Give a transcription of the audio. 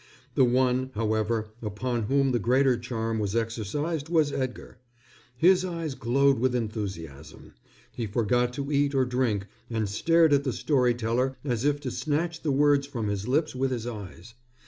The one, however, upon whom the greater charm was exercised was Edgar. His eyes glowed with enthusiasm. He forgot to eat or drink and stared at the story teller as if to snatch the words from his lips with his eyes.